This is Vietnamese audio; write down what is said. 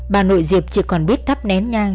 bà nội diệp chỉ còn biết thắp nén ngang